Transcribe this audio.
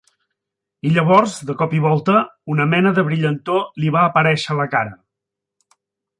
I llavors, de cop i volta, una mena de brillantor li va aparèixer a la cara.